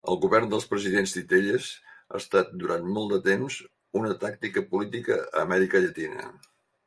El govern dels presidents titelles ha estat durant molt de temps una tàctica política a Amèrica Llatina.